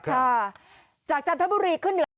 ค่ะจากจันทบุรีขึ้นเหนือ